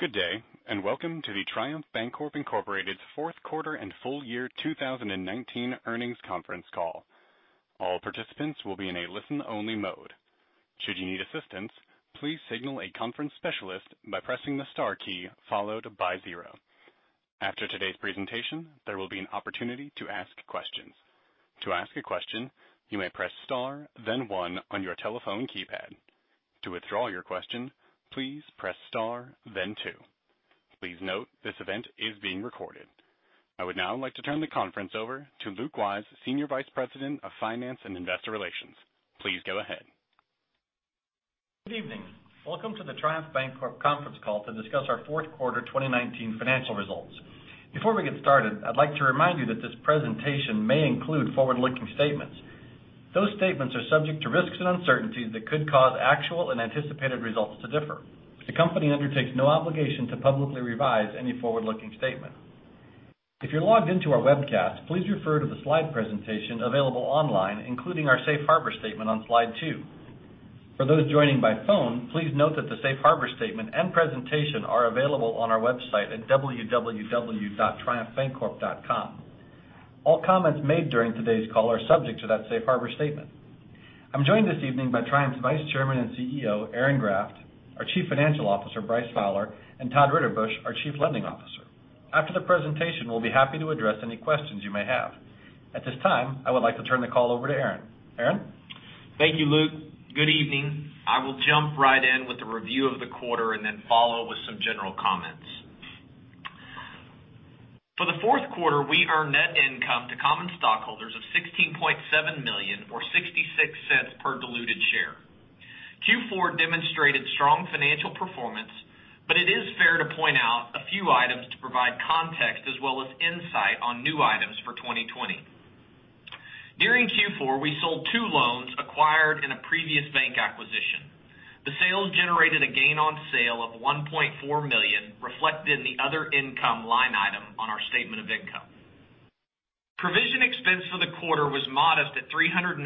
Good day, welcome to the Triumph Bancorp, Inc.'s fourth quarter and full year 2019 earnings conference call. All participants will be in a listen-only mode. Should you need assistance, please signal a conference specialist by pressing the star key followed by zero. After today's presentation, there will be an opportunity to ask questions. To ask a question, you may press star then one on your telephone keypad. To withdraw your question, please press star then two. Please note, this event is being recorded. I would now like to turn the conference over to Luke Wyse, Senior Vice President of Finance and Investor Relations. Please go ahead. Good evening. Welcome to the Triumph Bancorp conference call to discuss our fourth quarter 2019 financial results. Before we get started, I'd like to remind you that this presentation may include forward-looking statements. Those statements are subject to risks and uncertainties that could cause actual and anticipated results to differ. The company undertakes no obligation to publicly revise any forward-looking statement. If you're logged in to our webcast, please refer to the slide presentation available online, including our safe harbor statement on slide two. For those joining by phone, please note that the safe harbor statement and presentation are available on our website at www.triumphbancorp.com. All comments made during today's call are subject to that safe harbor statement. I'm joined this evening by Triumph's Vice Chairman and CEO, Aaron Graft, our Chief Financial Officer, Bryce Fowler, and Todd Ritterbusch, our Chief Lending Officer. After the presentation, we'll be happy to address any questions you may have. At this time, I would like to turn the call over to Aaron. Aaron? Thank you, Luke. Good evening. I will jump right in with a review of the quarter and then follow with some general comments. For the fourth quarter, we earned net income to common stockholders of $16.7 million, or $0.66 per diluted share. Q4 demonstrated strong financial performance, it is fair to point out a few items to provide context as well as insight on new items for 2020. During Q4, we sold two loans acquired in a previous bank acquisition. The sales generated a gain on sale of $1.4 million, reflected in the other income line item on our statement of income. Provision expense for the quarter was modest at $382,000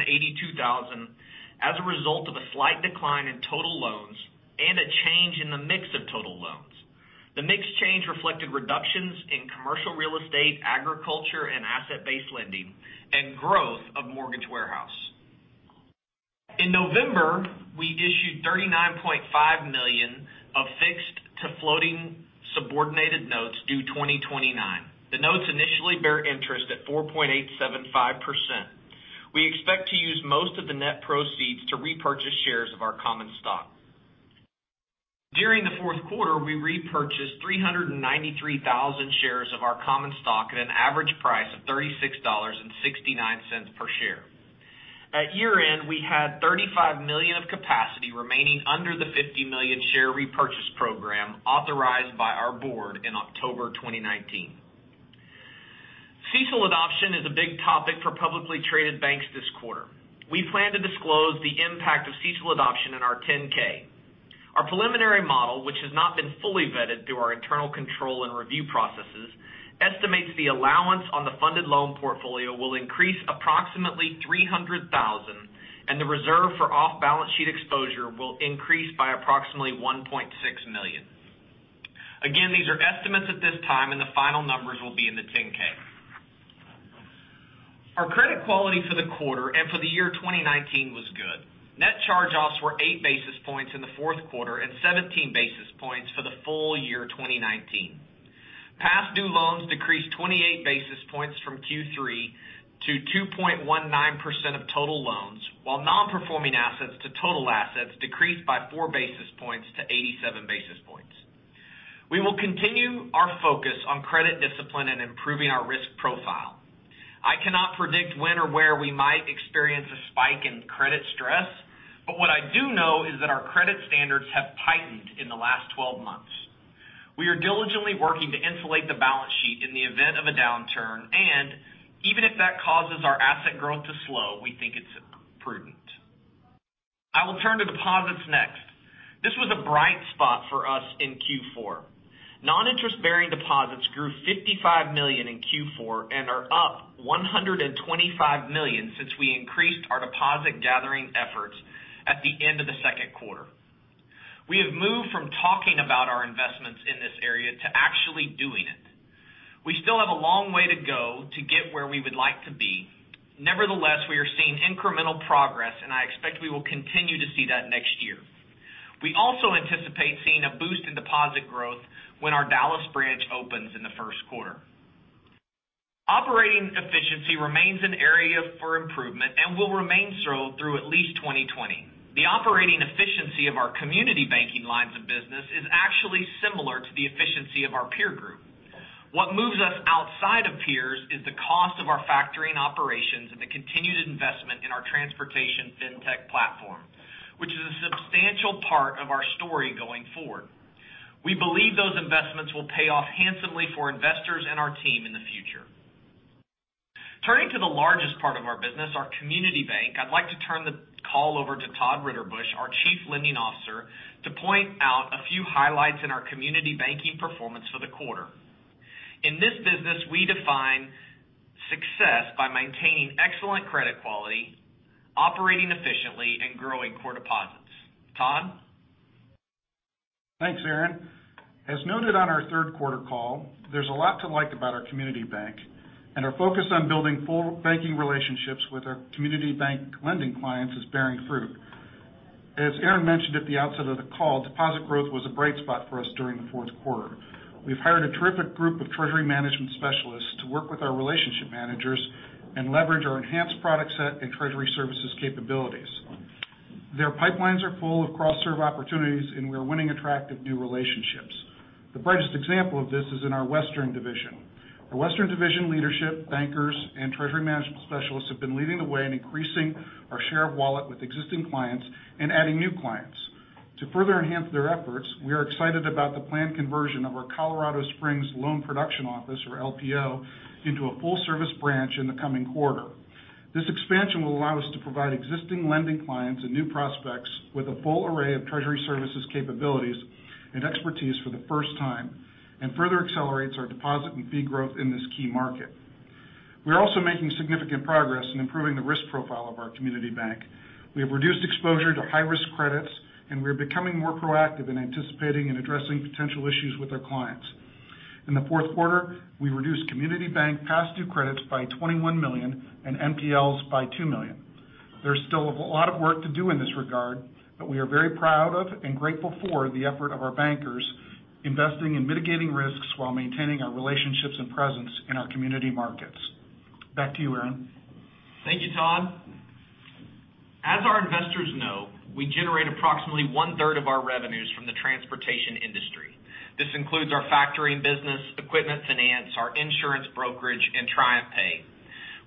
as a result of a slight decline in total loans and a change in the mix of total loans. The mix change reflected reductions in commercial real estate, agriculture, and asset-based lending, and growth of mortgage warehouse. In November, we issued $39.5 million of fixed to floating subordinated notes due 2029. The notes initially bear interest at 4.875%. We expect to use most of the net proceeds to repurchase shares of our common stock. During the fourth quarter, we repurchased 393,000 shares of our common stock at an average price of $36.69 per share. At year-end, we had $35 million of capacity remaining under the $50 million share repurchase program authorized by our board in October 2019. CECL adoption is a big topic for publicly traded banks this quarter. We plan to disclose the impact of CECL adoption in our 10-K. Our preliminary model, which has not been fully vetted through our internal control and review processes, estimates the allowance on the funded loan portfolio will increase approximately $300,000, and the reserve for off-balance sheet exposure will increase by approximately $1.6 million. Again, these are estimates at this time, and the final numbers will be in the 10-K. Our credit quality for the quarter and for the year 2019 was good. Net charge-offs were 8 basis points in the fourth quarter and 17 basis points for the full year 2019. Past due loans decreased 28 basis points from Q3 to 2.19% of total loans, while non-performing assets to total assets decreased by 4 basis points to 87 basis points. We will continue our focus on credit discipline and improving our risk profile. I cannot predict when or where we might experience a spike in credit stress, but what I do know is that our credit standards have tightened in the last 12 months. We are diligently working to insulate the balance sheet in the event of a downturn, and even if that causes our asset growth to slow, we think it's prudent. I will turn to deposits next. This was a bright spot for us in Q4. Non-interest-bearing deposits grew $55 million in Q4 and are up $125 million since we increased our deposit gathering efforts at the end of the second quarter. We have moved from talking about our investments in this area to actually doing it. We still have a long way to go to get where we would like to be. Nevertheless, we are seeing incremental progress, and I expect we will continue to see that next year. We also anticipate seeing a boost in deposit growth when our Dallas branch opens in the first quarter. Operating efficiency remains an area for improvement and will remain so through at least 2020. The operating efficiency of our community banking lines of business is actually similar to the efficiency of our peer group. What moves us outside of peers is the cost of our factoring operations and the continued investment in our transportation fintech platform, which is a substantial part of our story going forward. We believe those investments will pay off handsomely for investors and our team in the future. Turning to the largest part of our business, our community bank, I'd like to turn the call over to Todd Ritterbusch, our Chief Lending Officer, to point out a few highlights in our community banking performance for the quarter. In this business, we define success by maintaining excellent credit quality, operating efficiently, and growing core deposits. Todd? Thanks, Aaron. As noted on our third quarter call, there's a lot to like about our community bank, and our focus on building full banking relationships with our community bank lending clients is bearing fruit. As Aaron mentioned at the outset of the call, deposit growth was a bright spot for us during the fourth quarter. We've hired a terrific group of treasury management specialists to work with our relationship managers and leverage our enhanced product set and treasury services capabilities. Their pipelines are full of cross-serve opportunities, and we are winning attractive new relationships. The brightest example of this is in our Western Division. Our Western Division leadership, bankers, and treasury management specialists have been leading the way in increasing our share of wallet with existing clients and adding new clients. To further enhance their efforts, we are excited about the planned conversion of our Colorado Springs loan production office, or LPO, into a full-service branch in the coming quarter. This expansion will allow us to provide existing lending clients and new prospects with a full array of treasury services capabilities and expertise for the first time and further accelerates our deposit and fee growth in this key market. We are also making significant progress in improving the risk profile of our community bank. We have reduced exposure to high-risk credits, and we are becoming more proactive in anticipating and addressing potential issues with our clients. In the fourth quarter, we reduced community bank past due credits by $21 million and NPLs by $2 million. There's still a lot of work to do in this regard, but we are very proud of and grateful for the effort of our bankers investing in mitigating risks while maintaining our relationships and presence in our community markets. Back to you, Aaron. Thank you, Todd. As our investors know, we generate approximately 1/3 of our revenues from the transportation industry. This includes our factoring business, equipment finance, our insurance brokerage, and TriumphPay.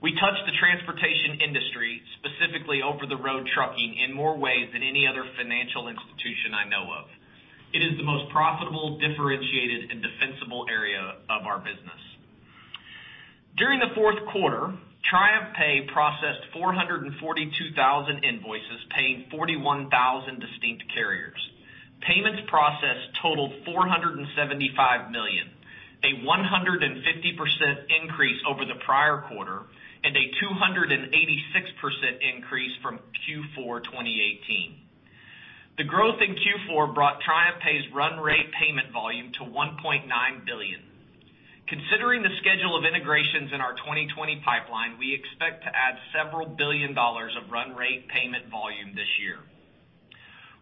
We touch the transportation industry, specifically over-the-road trucking, in more ways than any other financial institution I know of. It is the most profitable, differentiated, and defensible area of our business. During the fourth quarter, TriumphPay processed 442,000 invoices, paying 41,000 distinct carriers. Payments processed totaled $475 million, a 150% increase over the prior quarter and a 286% increase from Q4 2018. The growth in Q4 brought TriumphPay's run rate payment volume to $1.9 billion. Considering the schedule of integrations in our 2020 pipeline, we expect to add several billion dollars of run rate payment volume this year.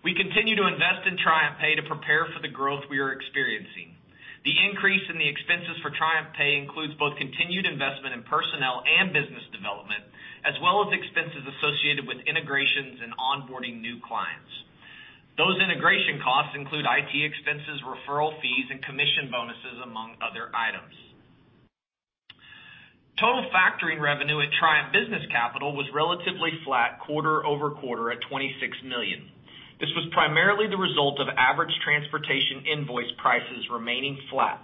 We continue to invest in TriumphPay to prepare for the growth we are experiencing. The increase in the expenses for TriumphPay includes both continued investment in personnel and business development, as well as expenses associated with integrations and onboarding new clients. Those integration costs include IT expenses, referral fees, and commission bonuses, among other items. Total factoring revenue at Triumph Business Capital was relatively flat quarter-over-quarter at $26 million. This was primarily the result of average transportation invoice prices remaining flat,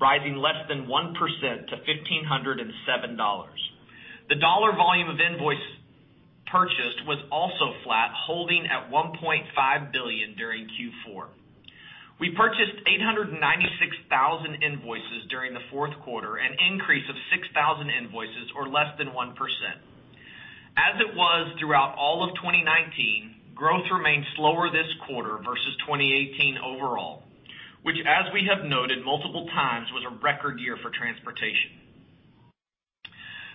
rising less than 1% to $1,507. The dollar volume of invoice purchased was also flat, holding at $1.5 billion during Q4. We purchased 896,000 invoices during the fourth quarter, an increase of 6,000 invoices or less than 1%. As it was throughout all of 2019, growth remained slower this quarter versus 2018 overall, which as we have noted multiple times, was a record year for transportation.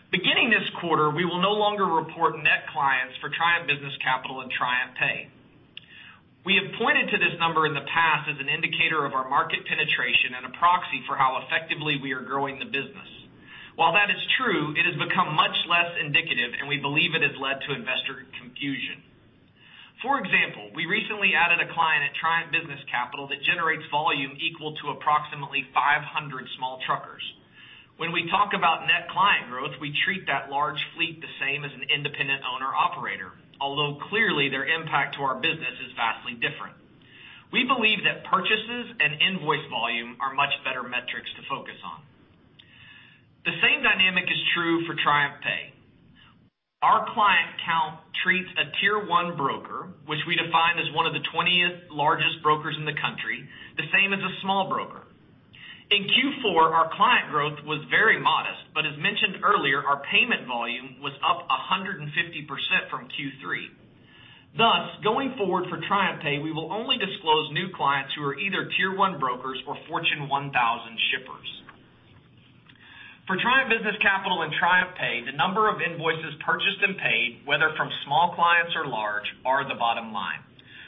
Beginning this quarter, we will no longer report net clients for Triumph Business Capital and TriumphPay. We have pointed to this number in the past as an indicator of our market penetration and a proxy for how effectively we are growing the business. While that is true, it has become much less indicative, and we believe it has led to investor confusion. For example, we recently added a client at Triumph Business Capital that generates volume equal to approximately 500 small truckers. When we talk about net client growth, we treat that large fleet the same as an independent owner-operator, although clearly their impact to our business is vastly different. We believe that purchases and invoice volume are much better metrics to focus on. The same dynamic is true for TriumphPay. Our client count treats a tier 1 broker, which we define as one of the 20th largest brokers in the country, the same as a small broker. In Q4, our client growth was very modest, but as mentioned earlier, our payment volume was up 150% from Q3. Going forward for TriumphPay, we will only disclose new clients who are either tier 1 brokers or Fortune 1000 shippers. For Triumph Business Capital and TriumphPay, the number of invoices purchased and paid, whether from small clients or large, are the bottom line.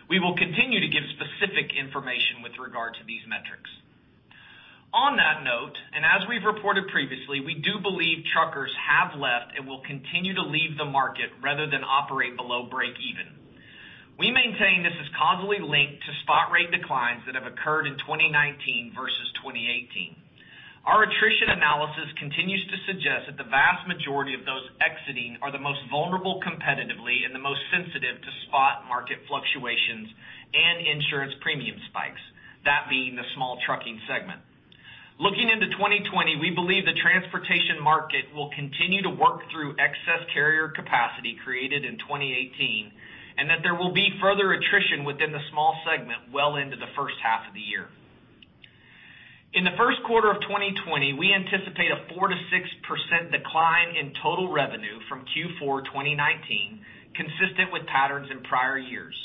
We will continue to give specific information with regard to these metrics. On that note, and as we've reported previously, we do believe truckers have left and will continue to leave the market rather than operate below break even. We maintain this is causally linked to spot rate declines that have occurred in 2019 versus 2018. Our attrition analysis continues to suggest that the vast majority of those exiting are the most vulnerable competitively and the most sensitive to spot market fluctuations and insurance premium spikes, that being the small trucking segment. Looking into 2020, we believe the transportation market will continue to work through excess carrier capacity created in 2018, and that there will be further attrition within the small segment well into the first half of the year. In the first quarter of 2020, we anticipate a 4%-6% decline in total revenue from Q4 2019, consistent with patterns in prior years.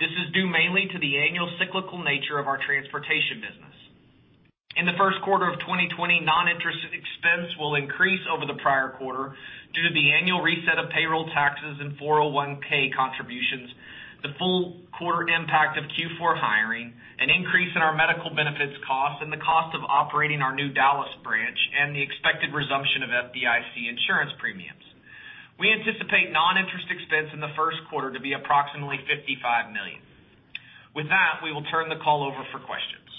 This is due mainly to the annual cyclical nature of our transportation business. In the first quarter of 2020, non-interest expense will increase over the prior quarter due to the annual reset of payroll taxes and 401(k) contributions, the full quarter impact of Q4 hiring, an increase in our medical benefits cost, and the cost of operating our new Dallas branch, and the expected resumption of FDIC insurance premiums. We anticipate non-interest expense in the first quarter to be approximately $55 million. With that, we will turn the call over for questions.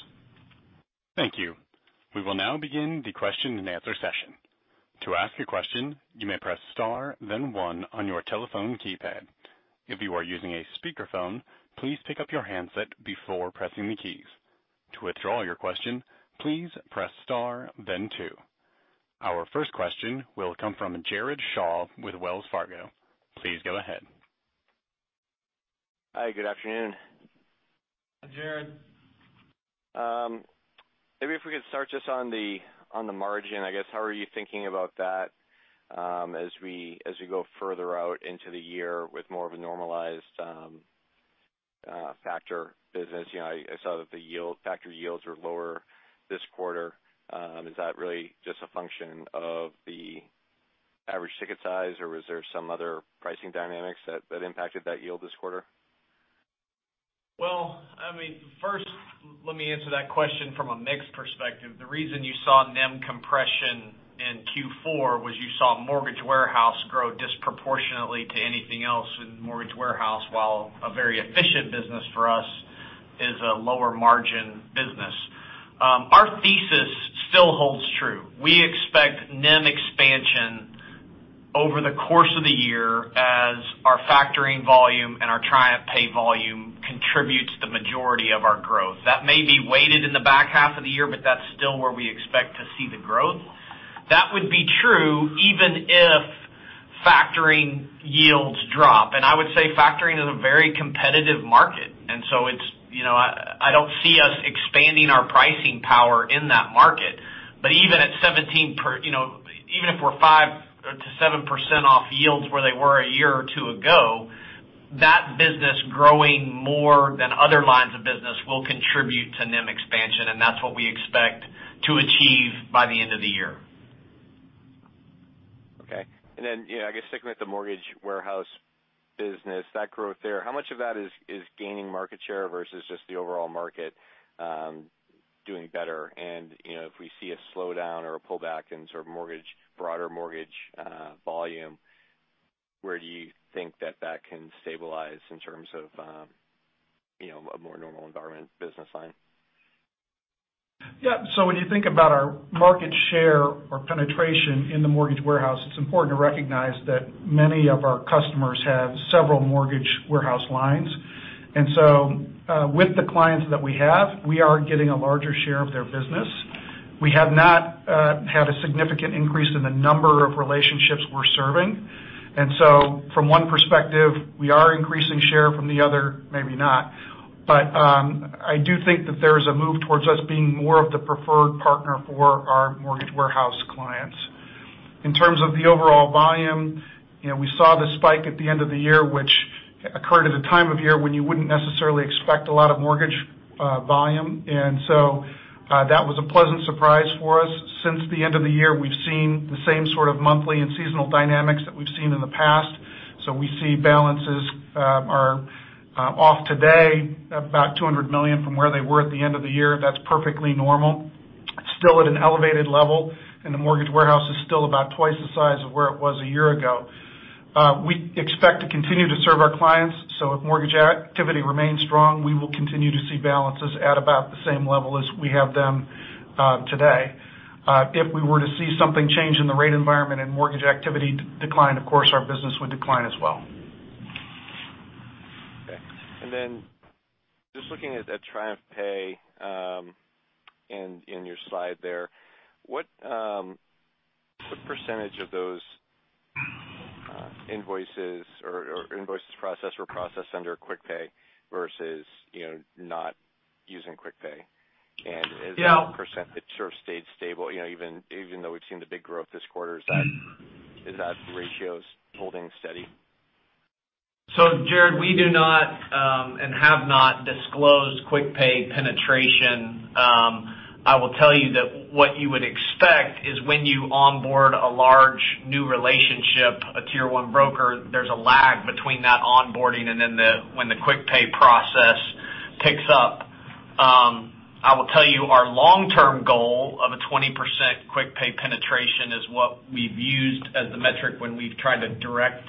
Thank you. We will now begin the question and answer session. To ask a question, you may press star then one on your telephone keypad. If you are using a speakerphone, please pick up your handset before pressing the keys. To withdraw your question, please press star then two. Our first question will come from Jared Shaw with Wells Fargo. Please go ahead. Hi, good afternoon. Hi, Jared. Maybe if we could start just on the margin, I guess. How are you thinking about that as we go further out into the year with more of a normalized factor business? I saw that the factor yields were lower this quarter. Is that really just a function of the average ticket size, or was there some other pricing dynamics that impacted that yield this quarter? Well, first let me answer that question from a mix perspective. The reason you saw NIM compression in Q4 was you saw mortgage warehouse grow disproportionately to anything else in mortgage warehouse, while a very efficient business for us is a lower margin business. Our thesis still holds true. We expect NIM expansion over the course of the year as our factoring volume and our TriumphPay volume contributes the majority of our growth. That may be weighted in the back half of the year, but that's still where we expect to see the growth. That would be true even if factoring yields drop. I would say factoring is a very competitive market. I don't see us expanding our pricing power in that market. Even if we're 5%-7% off yields where they were a year or two ago, that business growing more than other lines of business will contribute to NIM expansion, and that's what we expect to achieve by the end of the year. Okay. I guess sticking with the mortgage warehouse business, that growth there, how much of that is gaining market share versus just the overall market doing better? If we see a slowdown or a pullback in sort of broader mortgage volume, where do you think that that can stabilize in terms of a more normal environment business line? Yeah. When you think about our market share or penetration in the mortgage warehouse, it's important to recognize that many of our customers have several mortgage warehouse lines. With the clients that we have, we are getting a larger share of their business. We have not had a significant increase in the number of relationships we're serving. From one perspective, we are increasing share, from the other, maybe not. I do think that there's a move towards us being more of the preferred partner for our mortgage warehouse clients. In terms of the overall volume, we saw the spike at the end of the year, which occurred at a time of year when you wouldn't necessarily expect a lot of mortgage volume. That was a pleasant surprise for us. Since the end of the year, we've seen the same sort of monthly and seasonal dynamics that we've seen in the past. We see balances are off today about $200 million from where they were at the end of the year. That's perfectly normal. Still at an elevated level, the mortgage warehouse is still about twice the size of where it was a year ago. We expect to continue to serve our clients, so if mortgage activity remains strong, we will continue to see balances at about the same level as we have them today. If we were to see something change in the rate environment and mortgage activity decline, of course, our business would decline as well. Okay. Then just looking at TriumphPay in your slide there, what percentage of those invoices or invoices processed were processed under QuickPay versus not using QuickPay? And as the percentage sort of stayed stable even though we've seen the big growth this quarter? Is that ratio holding steady? Jared, we do not, and have not disclosed QuickPay penetration. I will tell you that what you would expect is when you onboard a large new relationship, a tier 1 broker, there's a lag between that onboarding and when the QuickPay process picks up. I will tell you our long-term goal of a 20% QuickPay penetration is what we've used as the metric when we've tried to direct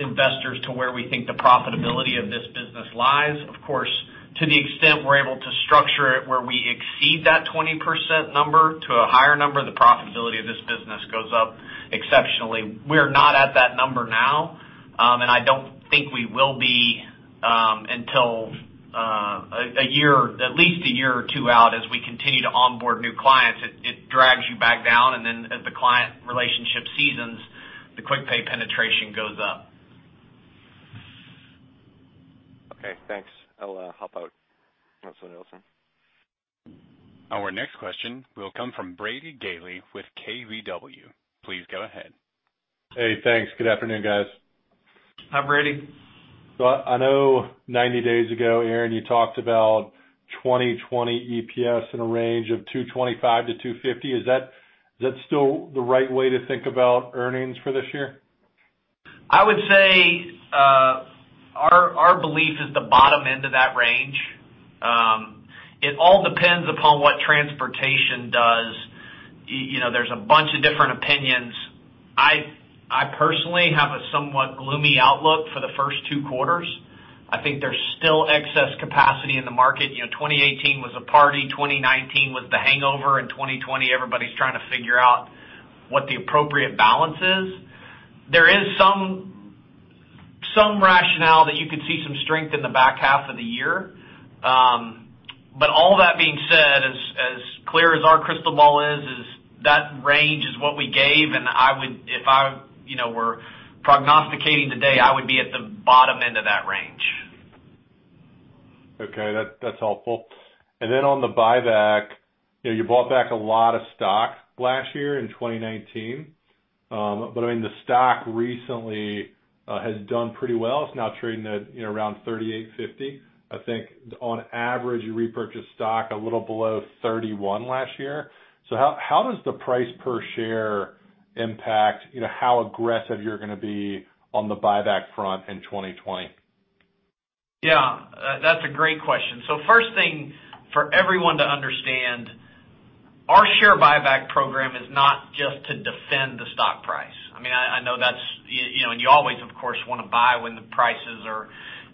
investors to where we think the profitability of this business lies. Of course, to the extent we're able to structure it where we exceed that 20% number to a higher number, the profitability of this business goes up exceptionally. We're not at that number now, and I don't think we will be until at least a year or two out as we continue to onboard new clients it drags you back down and then as the client relationship seasons the QuickPay penetration goes up. Okay, thanks. I'll hop out. Let someone else in. Our next question will come from Brady Gailey with KBW. Please go ahead. Hey, thanks. Good afternoon, guys. Hi, Brady. I know 90 days ago, Aaron, you talked about 2020 EPS in a range of $2.25-$2.50. Is that still the right way to think about earnings for this year? I would say, our belief is the bottom end of that range. It all depends upon what transportation does. There's a bunch of different opinions. I personally have a somewhat gloomy outlook for the first two quarters. I think there's still excess capacity in the market. 2018 was a party, 2019 was the hangover, and 2020, everybody's trying to figure out what the appropriate balance is. There is some rationale that you could see some strength in the back half of the year. All that being said, as clear as our crystal ball is that range is what we gave, and if I were prognosticating today, I would be at the bottom end of that range. Okay. That's helpful. On the buyback, you bought back a lot of stock last year in 2019. The stock recently has done pretty well. It's now trading at around $38.50. I think on average, you repurchased stock a little below $31 last year. How does the price per share impact how aggressive you're going to be on the buyback front in 2020? Yeah. That's a great question. First thing for everyone to understand, our share buyback program is not just to defend the stock price. You always, of course, want to buy when the prices are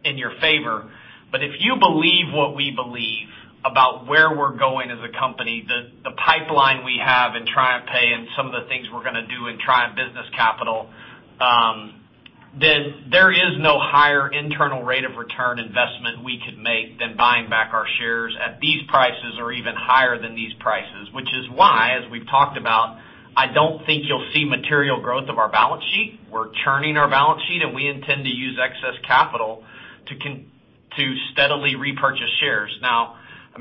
in your favor. If you believe what we believe about where we're going as a company, the pipeline we have in TriumphPay and some of the things we're going to do in Triumph Business Capital, there is no higher internal rate of return investment we could make than buying back our shares at these prices or even higher than these prices, which is why, as we've talked about, I don't think you'll see material growth of our balance sheet. We're churning our balance sheet, we intend to use excess capital to steadily repurchase shares.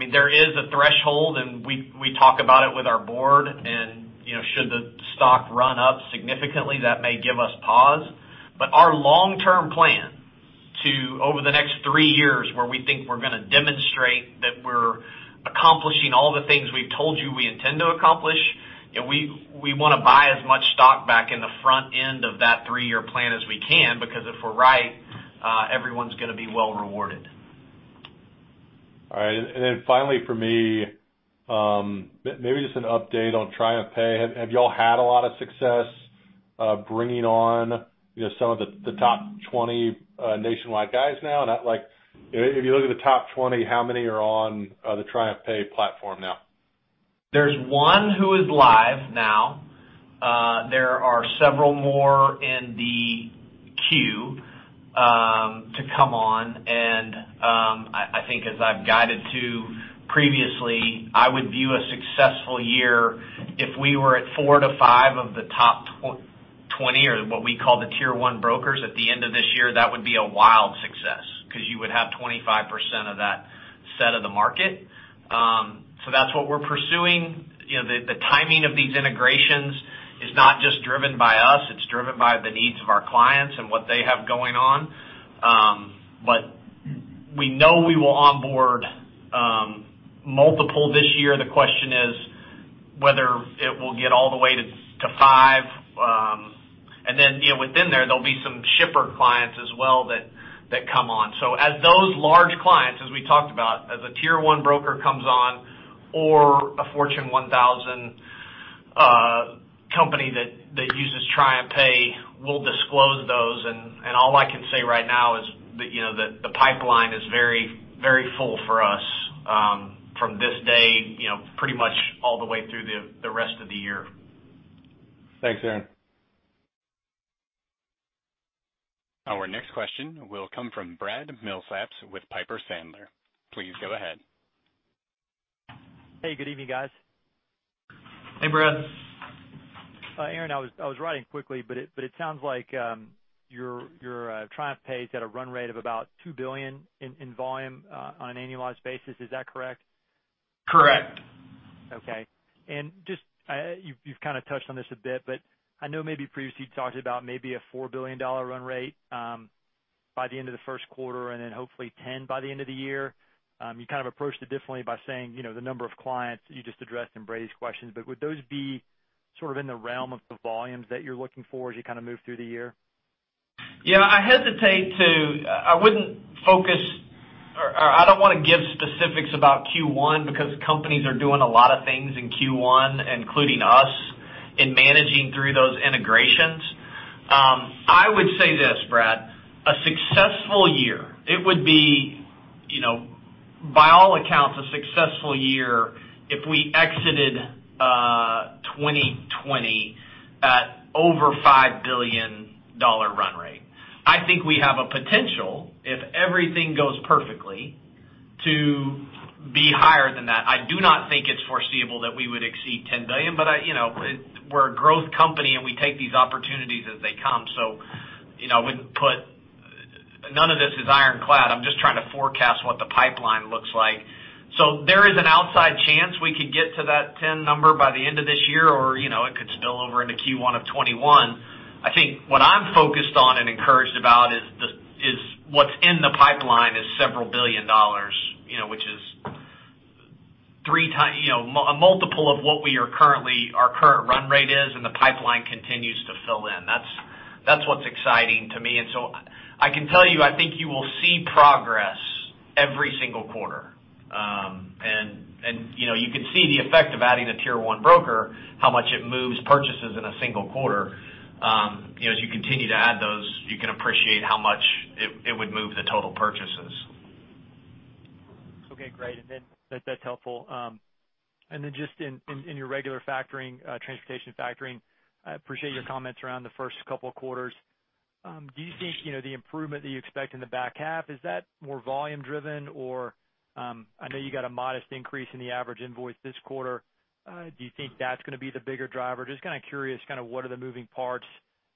There is a threshold, and we talk about it with our board, and should the stock run up significantly, that may give us pause. Our long-term plan to, over the next three years, where we think we're going to demonstrate that we're accomplishing all the things we've told you we intend to accomplish, we want to buy as much stock back in the front end of that three-year plan as we can, because if we're right, everyone's going to be well rewarded. All right. Finally for me, maybe just an update on TriumphPay. Have you all had a lot of success bringing on some of the top 20 nationwide guys now? If you look at the top 20, how many are on the TriumphPay platform now? There's one who is live now. There are several more in the queue to come on. I think as I've guided to previously, I would view a successful year if we were at four to five of the top 20, or what we call the tier 1 brokers at the end of this year. That would be a wild success because you would have 25% of that set of the market. That's what we're pursuing. The timing of these integrations is not just driven by us, it's driven by the needs of our clients and what they have going on. We know we will onboard multiple this year. The question is whether it will get all the way to five. Within there'll be some shipper clients as well that come on. As those large clients, as we talked about, as a tier 1 broker comes on, or a Fortune 1000 company that uses TriumphPay, we'll disclose those, and all I can say right now is that the pipeline is very full for us from this day pretty much all the way through the rest of the year. Thanks, Aaron. Our next question will come from Brad Milsaps with Piper Sandler. Please go ahead. Hey, good evening, guys. Hey, Brad. Aaron, I was writing quickly, but it sounds like your TriumphPay is at a run rate of about $2 billion in volume on an annualized basis. Is that correct? Correct. Okay. You've touched on this a bit, but I know maybe previously you talked about maybe a $4 billion run rate by the end of the first quarter, hopefully $10 billion by the end of the year. You approached it differently by saying the number of clients you just addressed in Brady's questions, but would those be sort of in the realm of the volumes that you're looking for as you move through the year? Yeah, I wouldn't focus, or I don't want to give specifics about Q1 because companies are doing a lot of things in Q1, including us, in managing through those integrations. I would say this, Brad, a successful year, it would be by all accounts a successful year if we exited 2020 at over $5 billion run rate. I think we have a potential, if everything goes perfectly to be higher than that. I do not think it's foreseeable that we would exceed $10 billion, but we're a growth company, and we take these opportunities as they come. None of this is ironclad. I'm just trying to forecast what the pipeline looks like. There is an outside chance we could get to that 10 number by the end of this year or it could spill over into Q1 of 2021. I think what I'm focused on and encouraged about is what's in the pipeline is several billion dollars, which is a multiple of what our current run rate is, and the pipeline continues to fill in. That's what's exciting to me. I can tell you, I think you will see progress every single quarter. You could see the effect of adding a tier 1 broker, how much it moves purchases in a single quarter. As you continue to add those, you can appreciate how much it would move the total purchases. Okay, great. That's helpful. Just in your regular transportation factoring, I appreciate your comments around the first couple of quarters. Do you think the improvement that you expect in the back half, is that more volume-driven or I know you got a modest increase in the average invoice this quarter. Do you think that's going to be the bigger driver? Just kind of curious, kind of what are the moving parts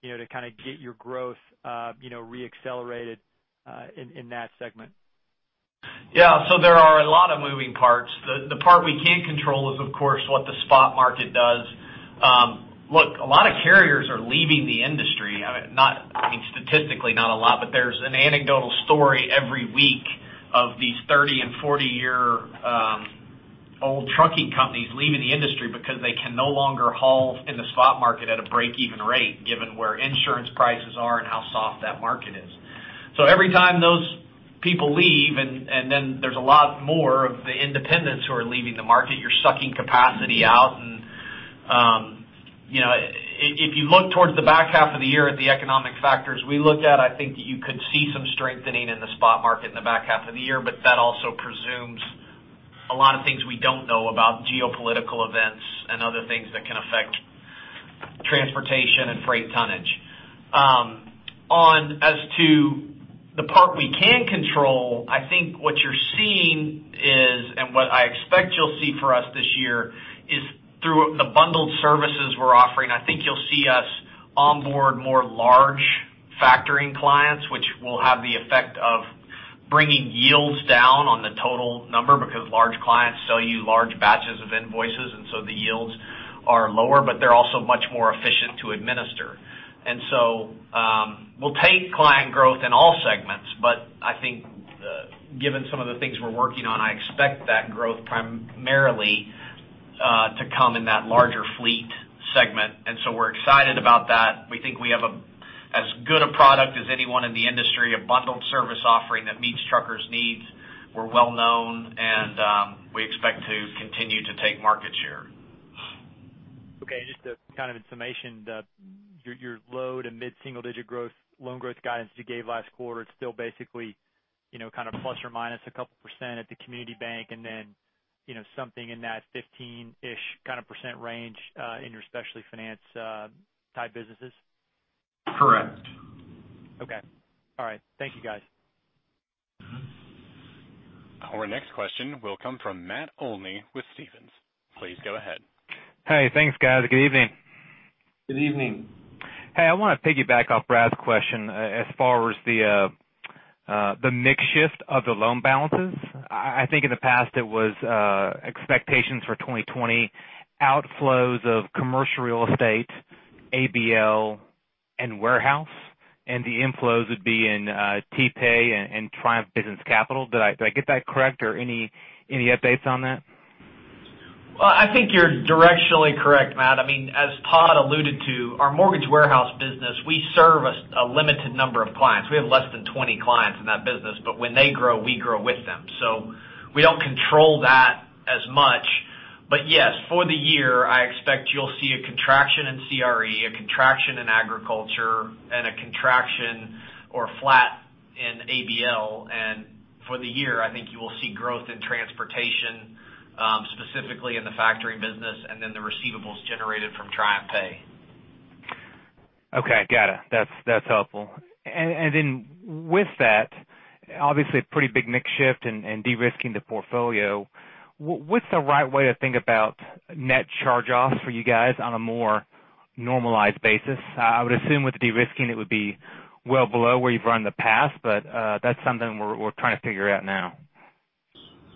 to kind of get your growth re-accelerated in that segment? Yeah. There are a lot of moving parts. The part we can't control is, of course, what the spot market does. Look, a lot of carriers are leaving the industry. I mean, statistically, not a lot, but there's an anecdotal story every week of these 30 and 40-year-old trucking companies leaving the industry because they can no longer haul in the spot market at a break-even rate, given where insurance prices are and how soft that market is. Every time those people leave, and then there's a lot more of the independents who are leaving the market, you're sucking capacity out. If you look towards the back half of the year at the economic factors we looked at, I think that you could see some strengthening in the spot market in the back half of the year, but that also presumes a lot of things we don't know about geopolitical events and other things that can affect transportation and freight tonnage. As to the part we can control, I think what you're seeing is, and what I expect you'll see for us this year, is through the bundled services we're offering. I think you'll see us onboard more large factoring clients, which will have the effect of bringing yields down on the total number because large clients sell you large batches of invoices, and so the yields are lower, but they're also much more efficient to administer. We'll take client growth in all segments, but I think, given some of the things we're working on, I expect that growth primarily to come in that larger fleet segment. We're excited about that. We think we have as good a product as anyone in the industry, a bundled service offering that meets truckers' needs. We're well-known, and we expect to continue to take market share. Okay. Just to kind of summation your low to mid-single-digit growth, loan growth guidance you gave last quarter, it's still basically kind of plus or minus a couple percent at the community bank, and then something in that 15-ish kind of percent range, in your specialty finance type businesses. Correct. Okay. All right. Thank you, guys. Our next question will come from Matt Olney with Stephens. Please go ahead. Hey, thanks, guys. Good evening. Good evening. Hey, I want to piggyback off Brad's question. As far as the mix shift of the loan balances, I think in the past it was expectations for 2020 outflows of commercial real estate, ABL, and warehouse, and the inflows would be in TPay and Triumph Business Capital. Did I get that correct? Any updates on that? I think you're directionally correct, Matt. As Todd alluded to, our mortgage warehouse business, we service a limited number of clients. We have less than 20 clients in that business, but when they grow, we grow with them. We don't control that as much. Yes, for the year, I expect you'll see a contraction in CRE, a contraction in agriculture, and a contraction or flat in ABL. For the year, I think you will see growth in transportation, specifically in the factoring business, and then the receivables generated from TriumphPay. Okay. Got it. That's helpful. Then with that, obviously a pretty big mix shift and de-risking the portfolio. What's the right way to think about net charge-offs for you guys on a more normalized basis? I would assume with de-risking, it would be well below where you've run in the past, but that's something we're trying to figure out now.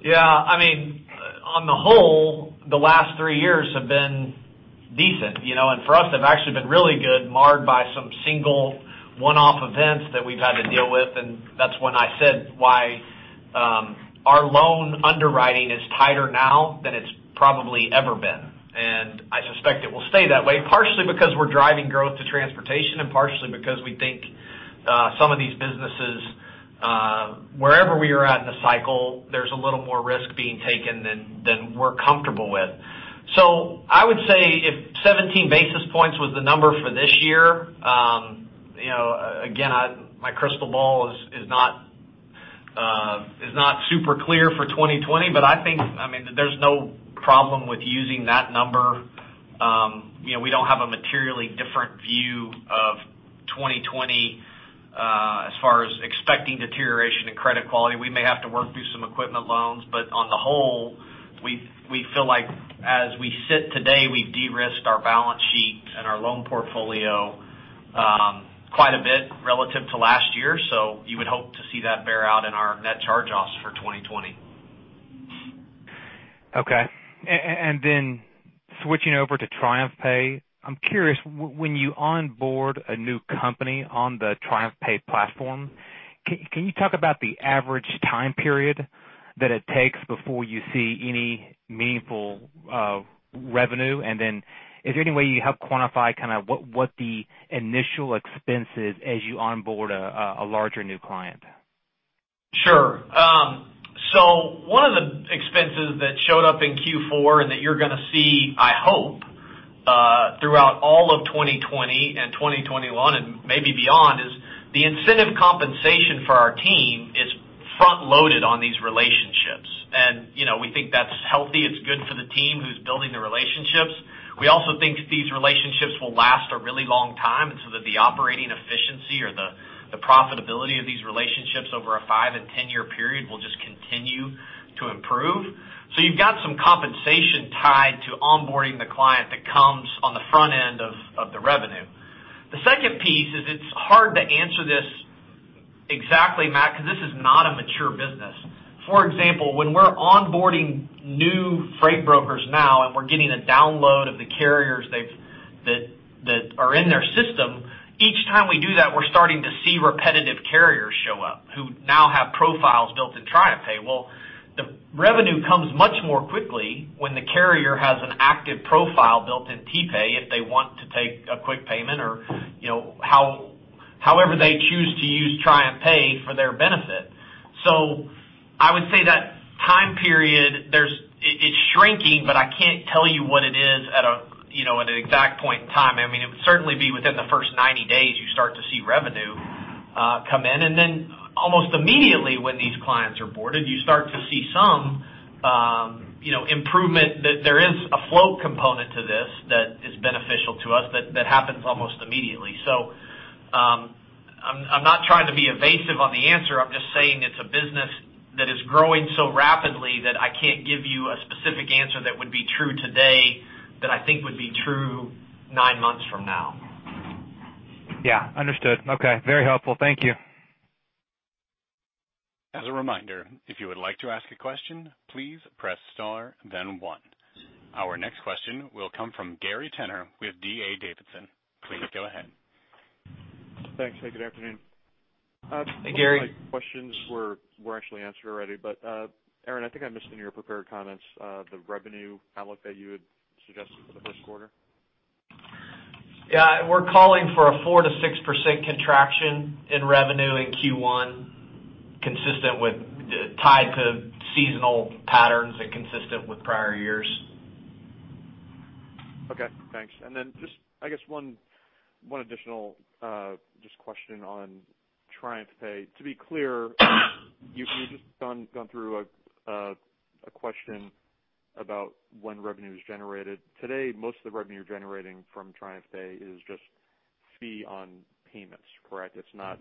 Yeah. On the whole, the last three years have been decent. For us, they've actually been really good, marred by some single one-off events that we've had to deal with, and that's when I said why our loan underwriting is tighter now than it's probably ever been. I suspect it will stay that way, partially because we're driving growth to transportation and partially because we think, some of these businesses, wherever we are at in the cycle, there's a little more risk being taken than we're comfortable with. I would say if 17 basis points was the number for this year, again, my crystal ball is not super clear for 2020, I think there's no problem with using that number. We don't have a materially different view of 2020, as far as expecting deterioration in credit quality. We may have to work through some equipment loans, but on the whole, we feel like as we sit today, we've de-risked our balance sheet and our loan portfolio quite a bit relative to last year. You would hope to see that bear out in our net charge-offs for 2020. Okay. Switching over to TriumphPay, I'm curious, when you onboard a new company on the TriumphPay platform, can you talk about the average time period that it takes before you see any meaningful revenue? Is there any way you help quantify kind of what the initial expense is as you onboard a larger new client? Sure. One of the expenses that showed up in Q4 and that you're going to see, I hope throughout all of 2020 and 2021 and maybe beyond, is the incentive compensation for our team is front-loaded on these relationships. We think that's healthy. It's good for the team who's building the relationships. We also think these relationships will last a really long time, and so that the operating efficiency or the profitability of these relationships over a five- and 10-year period will just continue to improve. You've got some compensation tied to onboarding the client that comes on the front end of the revenue. The second piece is, it's hard to answer this exactly, Matt, because this is not a mature business. For example, when we're onboarding new freight brokers now and we're getting a download of the carriers that are in their system, each time we do that, we're starting to see repetitive carriers show up who now have profiles built in TriumphPay. Well, the revenue comes much more quickly when the carrier has an active profile built in TPay if they want to take a quick payment or however they choose to use TriumphPay for their benefit. I would say that time period, it's shrinking, but I can't tell you what it is at an exact point in time. It would certainly be within the first 90 days, you start to see revenue come in. Almost immediately when these clients are boarded, you start to see some improvement that there is a flow component to this that is beneficial to us that happens almost immediately. I'm not trying to be evasive on the answer. I'm just saying it's a business that is growing so rapidly that I can't give you a specific answer that would be true today that I think would be true nine months from now. Yeah. Understood. Okay. Very helpful. Thank you. As a reminder, if you would like to ask a question, please press star, then one. Our next question will come from Gary Tenner with D.A. Davidson. Please go ahead. Thanks. Hey, good afternoon. Hey, Gary. Some of my questions were actually answered already. Aaron, I think I missed in your prepared comments the revenue outlook that you had suggested for the first quarter. Yeah. We're calling for a 4%-6% contraction in revenue in Q1, tied to seasonal patterns and consistent with prior years. Okay, thanks. Just I guess one additional just question on TriumphPay. To be clear, you've just gone through a question about when revenue is generated. Today, most of the revenue you're generating from TriumphPay is just fee on payments, correct? It's not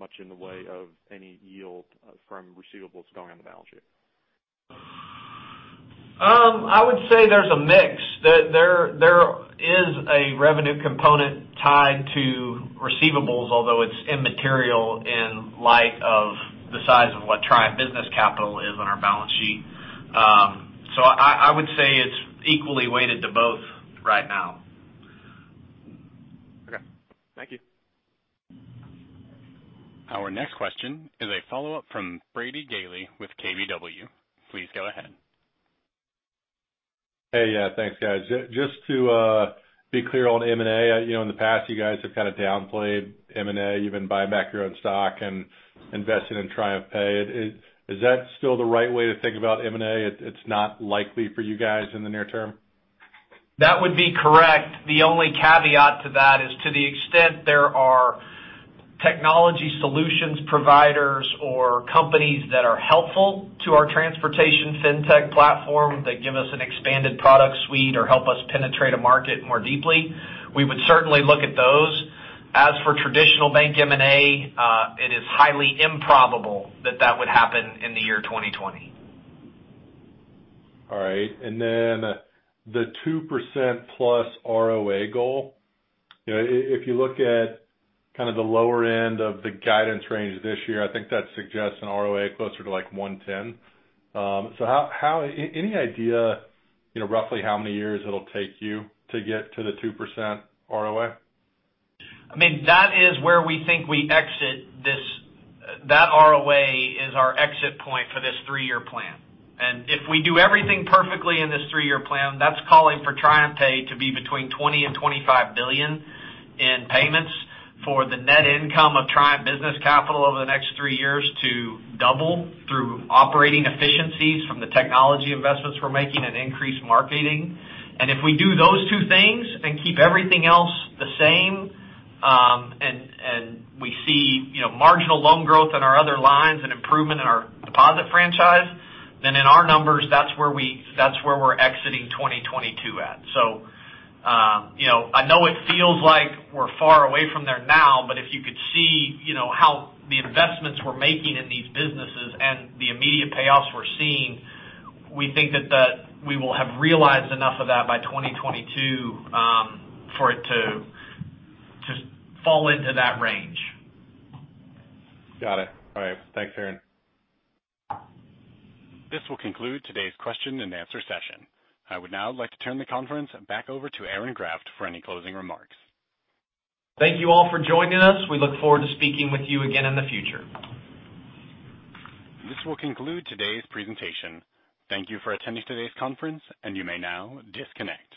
much in the way of any yield from receivables going on the balance sheet. I would say there's a mix. There is a revenue component tied to receivables, although it's immaterial in light of the size of what Triumph Business Capital is on our balance sheet. I would say it's equally weighted to both right now. Okay. Thank you. Our next question is a follow-up from Brady Gailey with KBW. Please go ahead. Hey. Yeah. Thanks, guys. Just to be clear on M&A. In the past, you guys have kind of downplayed M&A. You've been buying back your own stock and investing in TriumphPay. Is that still the right way to think about M&A? It's not likely for you guys in the near term? That would be correct. The only caveat to that is to the extent there are technology solutions providers or companies that are helpful to our transportation fintech platform that give us an expanded product suite or help us penetrate a market more deeply, we would certainly look at those. As for traditional bank M&A, it is highly improbable that that would happen in the year 2020. All right. The 2% plus ROA goal. If you look at kind of the lower end of the guidance range this year, I think that suggests an ROA closer to like 110. Any idea roughly how many years it'll take you to get to the 2% ROA? That ROA is our exit point for this three-year plan. If we do everything perfectly in this three-year plan, that is calling for TriumphPay to be between $20 billion and $25 billion in payments for the net income of Triumph Business Capital over the next three years to double through operating efficiencies from the technology investments we are making and increase marketing. If we do those two things and keep everything else the same, and we see marginal loan growth in our other lines and improvement in our deposit franchise, then in our numbers, that is where we are exiting 2022 at. I know it feels like we are far away from there now, but if you could see how the investments we are making in these businesses and the immediate payoffs we are seeing, we think that we will have realized enough of that by 2022 for it to just fall into that range. Got it. All right. Thanks, Aaron. This will conclude today's question and answer session. I would now like to turn the conference back over to Aaron Graft for any closing remarks. Thank you all for joining us. We look forward to speaking with you again in the future. This will conclude today's presentation. Thank you for attending today's conference, and you may now disconnect.